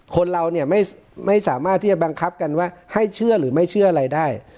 คนเราเนี่ยไม่สามารถที่จะบังคับกันว่าให้เชื่อหรือไม่เชื่ออะไรได้